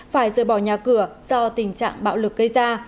phải rời bỏ nhà cửa do tình trạng bạo lực gây ra